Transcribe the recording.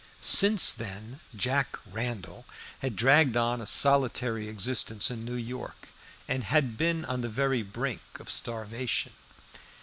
Since then "Jack Randall" had dragged on a solitary existence in New York, and had been on the very brink of starvation.